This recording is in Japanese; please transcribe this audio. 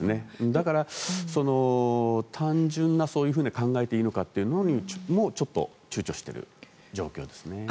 だから、単純にそういうふうに考えていいのかというのもちょっと躊躇している状況ですね。